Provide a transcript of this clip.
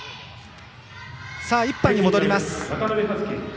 １班に戻ります。